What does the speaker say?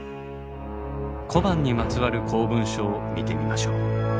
小判にまつわる公文書を見てみましょう。